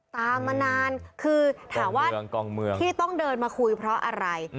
ตามมานานคือถามว่าที่ต้องเดินมาคุยเพราะอะไร